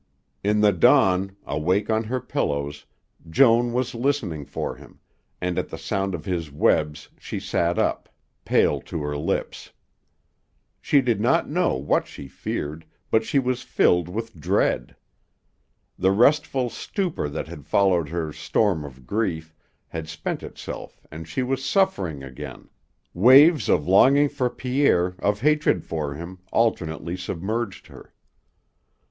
In the dawn, awake on her pillows, Joan was listening for him, and at the sound of his webs she sat up, pale to her lips. She did not know what she feared, but she was filled with dread. The restful stupor that had followed her storm of grief had spent itself and she was suffering again waves of longing for Pierre, of hatred for him, alternately submerged her.